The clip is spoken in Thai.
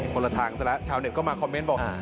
คนละทางซะแล้วชาวเน็ตก็มาคอมเมนต์บอก